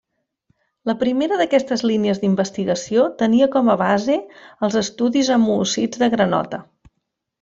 La primera d'aquestes línies d'investigació tenia com a base els estudis amb oòcits de granota.